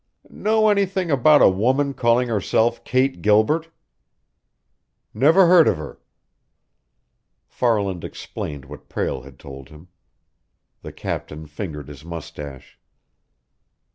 "Know anything about a woman calling herself Kate Gilbert?" "Never heard of her." Farland explained what Prale had told him. The captain fingered his mustache.